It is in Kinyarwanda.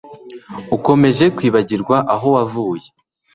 Ukomeje kwibagirwa aho wavuye